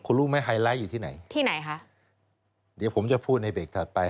คุณรู้ไหมไฮไลท์อยู่ที่ไหนที่ไหนคะเดี๋ยวผมจะพูดในเบรกถัดไป